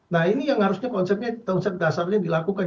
nah ini yang harusnya konsepnya konsep dasarnya dilakukan